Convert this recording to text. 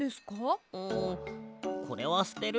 んこれはすてる。